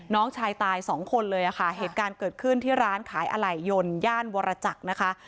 น้องชายตายสองคนเลยค่ะเหตุการณ์เกิดขึ้นที่ร้านขายอะไหล่ยนย่านวรจักรนะคะ